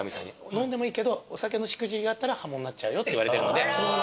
飲んでもいいけどお酒のしくじりがあったら破門になっちゃうよって言われてるので。